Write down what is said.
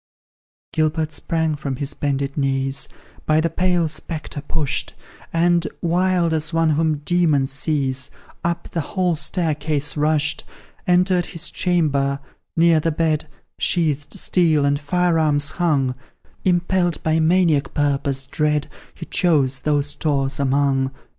Gilbert sprang from his bended knees, By the pale spectre pushed, And, wild as one whom demons seize, Up the hall staircase rushed; Entered his chamber near the bed Sheathed steel and fire arms hung Impelled by maniac purpose dread He chose those stores among.